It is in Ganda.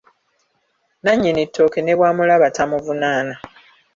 Nnannyini ttooke ne bwamulaba tamuvunaana.